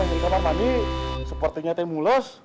ini kamar mandi sepertinya temulus